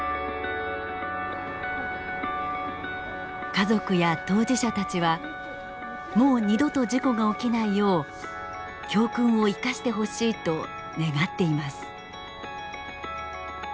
家族や当事者たちはもう二度と事故が起きないよう教訓を生かしてほしいと願っています。